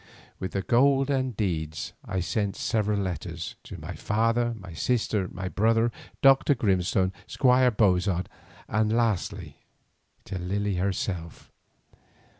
With the gold and the deeds I sent several letters; to my father, my sister, my brother, Dr. Grimstone, Squire Bozard, and lastly to Lily herself.